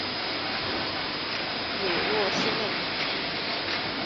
韦洛斯内。